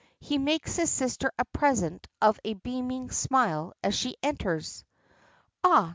He makes his sister a present of a beaming smile as she enters. "Ah!